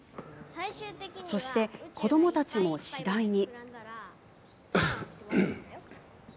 そして、子どもたちも次第に。